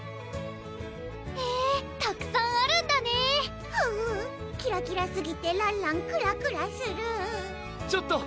へぇたくさんあるんだねはうぅキラキラすぎてらんらんクラクラするちょっと！